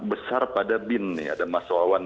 besar pada bin ya ada mas soawan